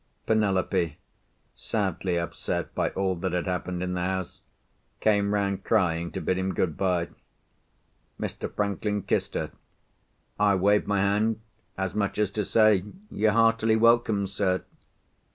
Penelope (sadly upset by all that had happened in the house) came round crying, to bid him good bye. Mr. Franklin kissed her. I waved my hand as much as to say, "You're heartily welcome, sir."